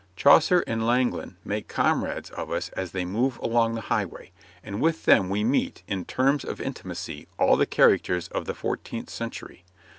Chaucer and Langland make comrades of us as they move along the highway, and with them we meet, on terms of intimacy, all the characters of the fourteenth century.